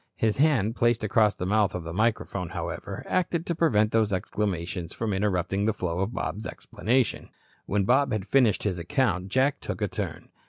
His hand, placed across the mouth of the microphone, however, acted to prevent these exclamations from interrupting the flow of Bob's explanation. When Bob had finished his account, Jack took a turn.